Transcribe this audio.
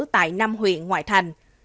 tại năm huyện ngoại thành